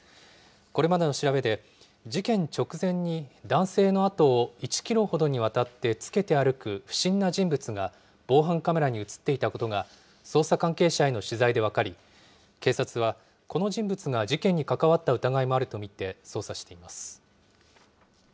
これまでの調べで、事件直前に男性のあとを１キロほどにわたってつけて歩く不審な人物が、防犯カメラに写っていたことが、捜査関係者への取材で分かり、警察はこの人物が事件に関わった疑いもあると見て捜査しています。